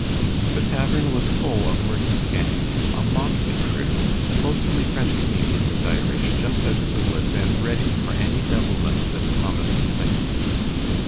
The tavern was full of Murphy's gang, a motley crew, mostly French Canadians and Irish, just out of the woods and ready for any devilment that promised excitement.